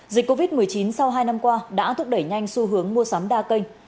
dịch covid một mươi chín sau hai năm qua đã thúc đẩy nhanh xu hướng mua sắm đa kênh